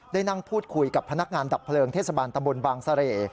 ได้นั่งพูดคุยกับพนักงานดับเพลิงเทศบาลตำบลบางเสร่